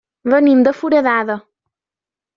Venim de Foradada.